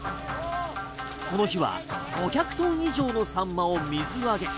この日は５００トン以上のサンマを水揚げ。